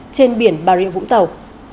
trên biển bà rịa vũng tàu